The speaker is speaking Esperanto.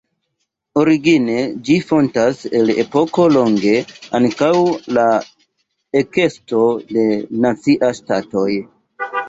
Origine ĝi fontas el epoko longe ankaŭ la ekesto de naciaj ŝtatoj.